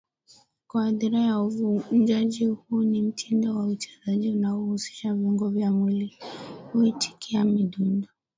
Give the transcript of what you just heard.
kwa hadhira Uvunjaji Huu ni mtindo wa uchezaji unaohusisha viungo vya mwili kuitikia midundo